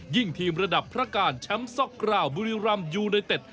ยิ่งทีมระดับพระการแชมป์ซอกกราวด์บริรัมด์ยูไนเต็ด